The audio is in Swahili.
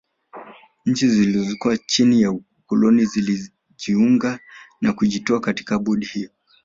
Nchi zilizokuwa chini ya ukoloni zilijiunga na kujitoa katika bodi hiyo